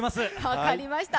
分かりました。